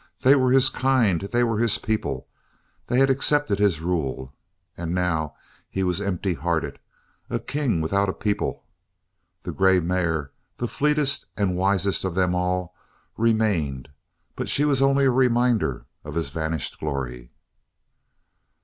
They were his kind, they were his people, they had accepted his rule; and now he was emptyhearted, a king without a people. The grey mare, the fleetest and the wisest of them all, remained; but she was only a reminder of his vanished glory.